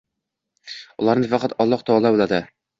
Ularni faqat Alloh taolo biladi.